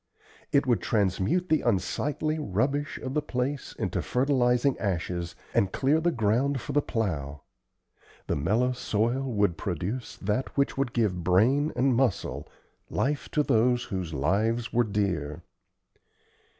It would transmute the unsightly rubbish of the place into fertilizing ashes, and clear the ground for the plow. The mellow soil would produce that which would give brain and muscle life to those whose lives were dear.